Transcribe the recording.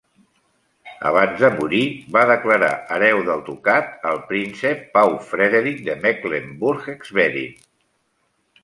Abans de morir, va declarar hereu del ducat el príncep Pau Frederic de Mecklenburg-Schwerin.